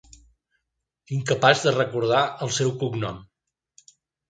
Incapaç de recordar el seu cognom.